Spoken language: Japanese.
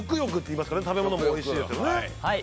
食べ物もおいしいですよね。